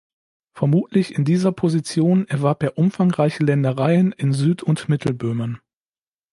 Vermutlich in dieser Position erwarb er umfangreiche Ländereien in Süd- und Mittelböhmen.